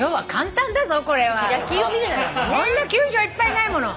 そんな球場いっぱいないもの。